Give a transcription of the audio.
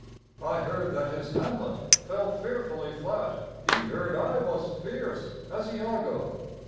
I heard that his Hamlet fell fearfully flat; He heard I was fierce, as Iago.